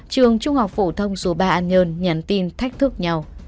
trường trung học phổ thông số ba an nhơn nhắn tin thách thức nhau